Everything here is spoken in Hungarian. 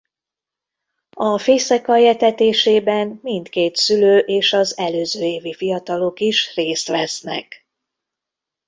A fészekalj etetésében mindkét szülő és az előző évi fiatalok is részt vesznek.